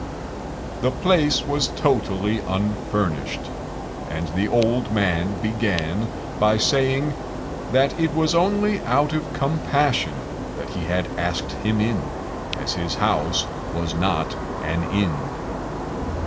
The place was totally unfurnished; and the old man began by saying that it was only out of compassion that he had asked him in, as his house was not an inn.